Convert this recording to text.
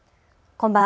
こんばんは。